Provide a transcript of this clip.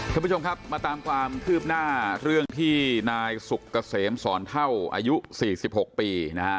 ท่านผู้ชมครับมาตามความคืบหน้าเรื่องที่นายสุกเกษมสอนเท่าอายุ๔๖ปีนะฮะ